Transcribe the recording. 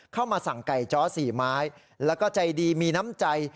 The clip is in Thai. เข้ามาสั่งไก่จ้อ๔ไม้แล้วก็ใจดีมีน้ำใจ